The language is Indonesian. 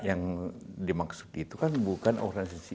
yang dimaksud itu kan bukan organisasi